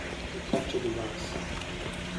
The capture device.